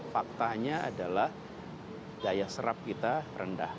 faktanya adalah daya serap kita rendah